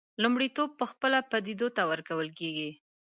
لومړیتوب پخپله پدیدو ته ورکول کېږي.